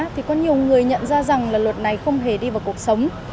thì có nhiều người nhận ra rằng là luật này không hề đi vào cuộc sống